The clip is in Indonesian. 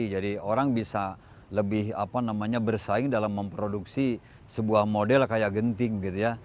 jadi orang bisa lebih bersaing dalam memproduksi sebuah model kayak genting gitu ya